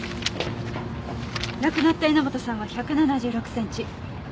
亡くなった榎本さんは１７６センチ。